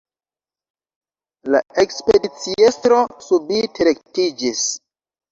La ekspediciestro subite rektiĝis.